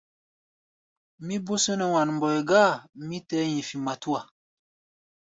Mí bó só nɛ́ wan-mbɔi gáa, mí tɛɛ́ hi̧fi̧ matúa.